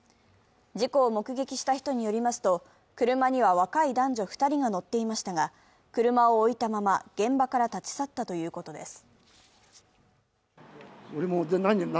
事故を目撃した人によりますと車には若い男女２人が乗っていましたが、車を置いたまま現場から立ち去ったということです。